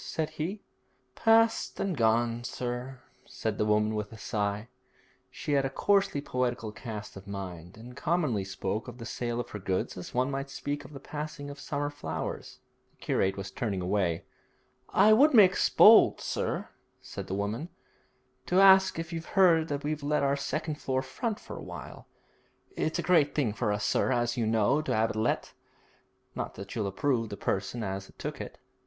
said he. 'Past and gone, sir,' said the woman with a sigh. She had a coarsely poetical cast of mind, and commonly spoke of the sale of her goods as one might speak of the passing of summer flowers. The curate was turning away. 'I would make bold, sir,' said the woman, 'to ask if you've heard that we've let our second floor front for a while. It's a great thing for us, sir, as you know, to 'ave it let, not that you'll approve the person as 'as took it.'